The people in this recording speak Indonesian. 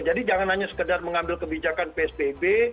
jadi jangan hanya sekedar mengambil kebijakan psbb